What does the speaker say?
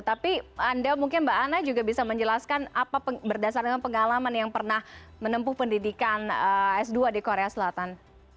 tapi anda mungkin mbak anna juga bisa menjelaskan apa berdasarkan pengalaman yang pernah menempuh pendidikan s dua di korea selatan